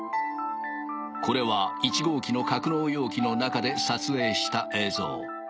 これは１号機の格納容器の中で撮影した映像。